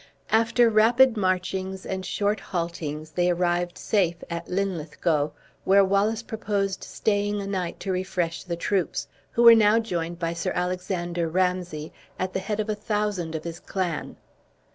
After rapid marchings and short haltings, they arrived safe at Linlithgow, where Wallace proposed staying a night to refresh the troops, who were now joined by Sir Alexander Ramsay, at the head of a thousand of his clan.